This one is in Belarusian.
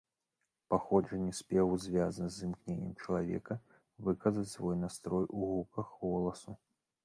Паходжанне спеву звязана з імкненнем чалавека выказаць свой настрой у гуках голасу.